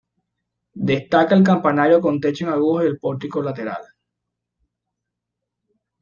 Destaca el campanario con techo en aguja y el pórtico lateral.